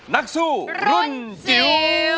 รุ่นจิ๋ว